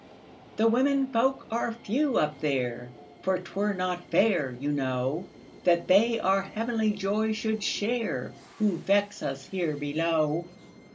"The women folk are few up there; For 't were not fair, you know, That they our heavenly joy should shareWho vex us here below.